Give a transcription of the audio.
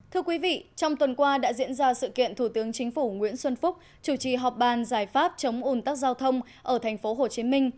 thưa quý vị trong tuần qua đã diễn ra sự kiện thủ tướng chính phủ nguyễn xuân phúc chủ trì họp bàn giải pháp chống ủn tắc giao thông ở tp hcm